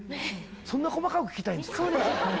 そんな細かく聞きたいんですか？